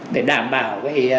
để đảm bảo